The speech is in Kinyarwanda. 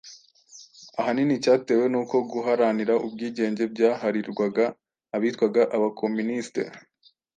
ahanini cyatewe nuko guharanira ubwigenge byaharirwaga abitwaga "abakomuniste":